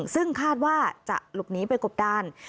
ซึ่งคาดว่าจะหลบหนีไปกบดาน